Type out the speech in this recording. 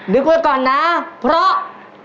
นึกไว้ก่อนนะเพราะ